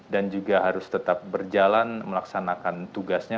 dan juga harus tetap berjalan melaksanakan tugasnya